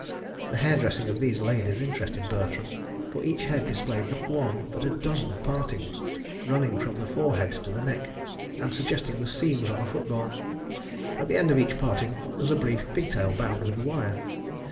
The hairdressing of these ladies interested Bertram, for each head displayed not one, but a dozen, partings, running from the forehead to the neck, and suggesting the seams on a football. At the end of each parting was a brief pigtail bound with wire.